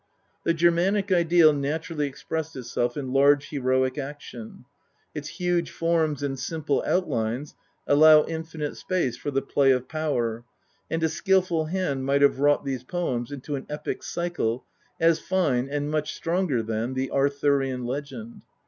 The Germanic ideal naturally expressed itself in large heroic action ; its huge forms and simple outlines allow infinite space for the play of power, and a skilful hand might have wrought these poems into an epic cycle as fine and much stronger than the Arthurian legend.